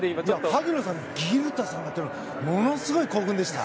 萩野さんギュルタさんってものすごい興奮でした。